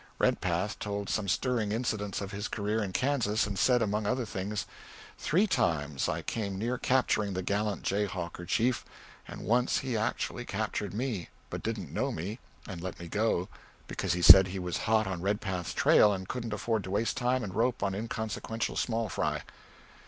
Redpath told some stirring incidents of his career in Kansas, and said, among other things: "Three times I came near capturing the gallant jayhawker chief, and once he actually captured me, but didn't know me and let me go, because he said he was hot on Redpath's trail and couldn't afford to waste time and rope on inconsequential small fry."